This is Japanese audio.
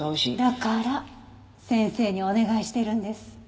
だから先生にお願いしているんです。